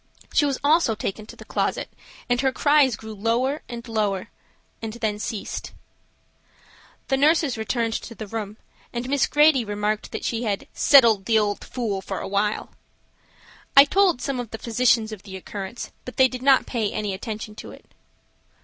She was also taken to the closet, and her cries grew lower and lower, and then ceased. The nurses returned to the room and Miss Grady remarked that she had "settled the old fool for awhile." I told some of the physicians of the occurrence, but they did not pay any attention to it.